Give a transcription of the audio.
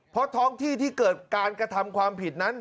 เพราะท้องที่ที่เกิดการกระทำความผิดนั้น